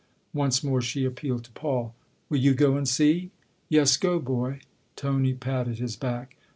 Once more she appealed to Paul. " Will you go and see?" " Yes, go, boy." Tony patted his back.